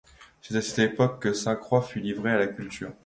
C’est à cette époque que Sainte-Croix fut livrée à la culture.